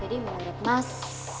jadi menurut mas